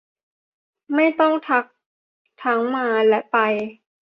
ไม่ต้องทักทั้งมาและไป